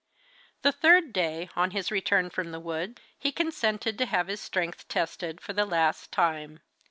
The third day, on his return from the wood he consented to have his strength tested for the last time.